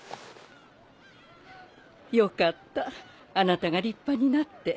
よかったあなたが立派になって。